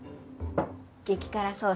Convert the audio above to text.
激辛ソース。